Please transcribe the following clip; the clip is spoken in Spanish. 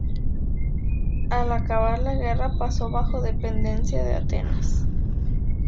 Al acabar la guerra pasó bajo dependencia de Atenas.